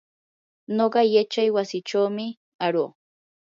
nuqa yachaywasichumi aruu.